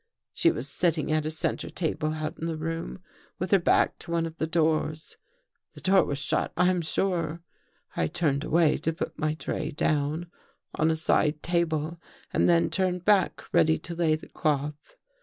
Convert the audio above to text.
" She was sitting at a center table out in the room, with her back to one of the doors. The door was shut, I am sure. I turned away to put my tray down on a side table and then turned back ready to lay the cloth.